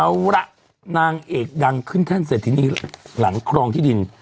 อาวุดะนางเอกดังขึ้นคั่นเสร็จที่นี่หลังครองที่ดิน